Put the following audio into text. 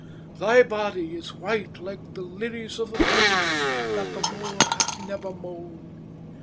Thy body is white like the lilies of a field that the mower hath never mowed.